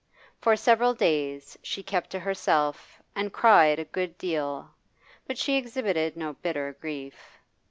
For several days she kept to herself and cried a good deal, but she exhibited no bitter grief.